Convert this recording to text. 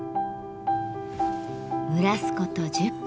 蒸らすこと１０分。